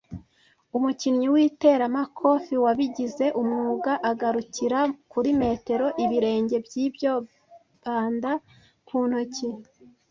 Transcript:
Umukinnyi w'iteramakofe wabigize umwuga agarukira kuri metero - ibirenge by'ibyo Banda ku ntoki